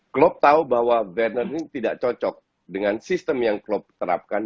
klopp tahu bahwa werner ini tidak cocok dengan sistem yang klopp terapkan